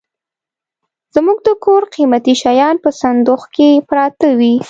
زموږ د کور قيمتي شيان په صندوخ کي پراته وي.